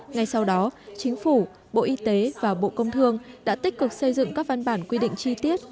ngay sau đó chính phủ bộ y tế và bộ công thương đã tích cực xây dựng các văn bản quy định chi tiết